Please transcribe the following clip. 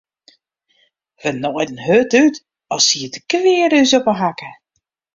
Wy naaiden hurd út as siet de kweade ús op 'e hakke.